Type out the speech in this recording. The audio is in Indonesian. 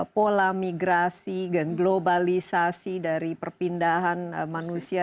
pola migrasi dan globalisasi dari perpindahan manusia